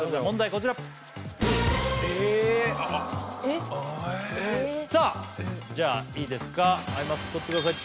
こちらえっああっああえっさあじゃあいいですかアイマスク取ってください